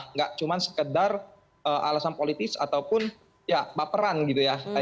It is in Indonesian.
nggak cuma sekedar alasan politis ataupun ya baperan gitu ya